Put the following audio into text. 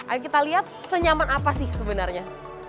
ayo kita lihat senyaman apa sih sebenarnya